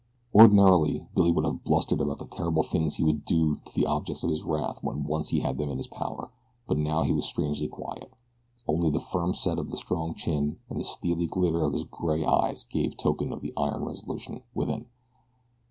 Ordinarily Billy would have blustered about the terrible things he would do to the objects of his wrath when once he had them in his power; but now he was strangely quiet only the firm set of his strong chin, and the steely glitter of his gray eyes gave token of the iron resolution within.